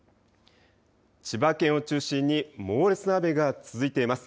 千葉県を中心に猛烈な雨が続いてます。